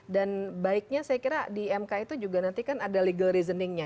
dan baiknya saya kira di mk itu juga nanti kan ada legal reasoning juga ya